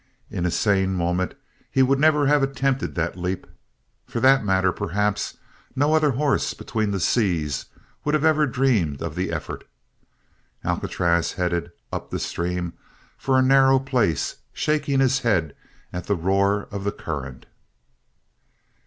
In a sane moment he would never have attempted that leap. For that matter, perhaps, no other horse between the seas would have ever dreamed of the effort. Alcatraz headed up the stream for a narrow place, shaking his head at the roar of the current.